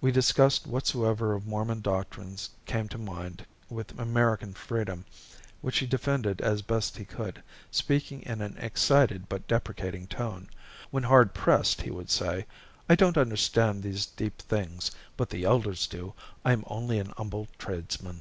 We discussed whatsoever of Mormon doctrines came to mind with American freedom, which he defended as best he could, speaking in an excited but deprecating tone. When hard pressed he would say: "I don't understand these deep things, but the elders do. I'm only an umble tradesman."